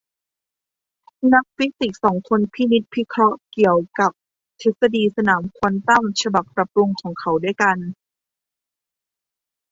นักฟิสิกส์สองคนพินิจพิเคราะห์เกี่ยวกับทฤษฎีสนามควอนตัมฉบับปรับปรุงของเขาด้วยกัน